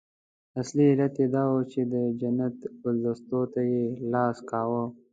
اصلي علت یې دا وو چې د جنت ګلدستو ته یې لاس کاوه.